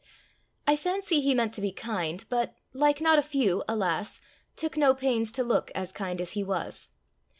I fancy he meant to be kind, but, like not a few, alas! took no pains to look as kind as he was.